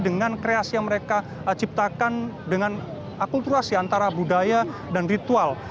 dengan kreasi yang mereka ciptakan dengan akulturasi antara budaya dan ritual